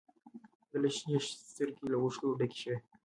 د لښتې شنې سترګې له اوښکو ډکې شوې.